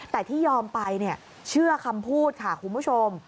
แต่ที่ยอมไปเชื่อคำพูดค่ะคุณผู้ชม